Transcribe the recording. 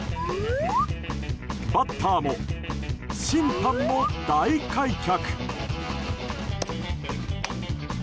バッターも審判も大開脚。